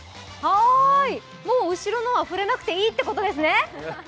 もう後ろのは触れなくていいってことですね？